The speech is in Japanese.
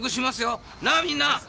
なあみんな。